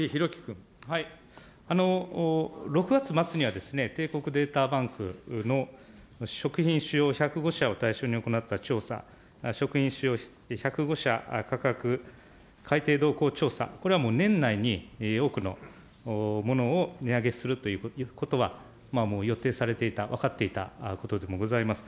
６月末には、帝国データバンクの食品しよう１０５社を対象に行った調査、食品使用１０５社価格改定動向調査、これはもう年内に多くのものを値上げするということは予定されていた、分かっていたことでもございます。